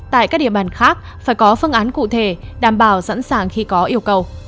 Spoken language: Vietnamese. tại các địa bàn khác phải có phương án cụ thể đảm bảo sẵn sàng khi có yêu cầu